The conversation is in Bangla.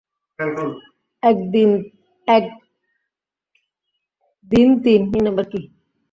এক, দিন, তিন।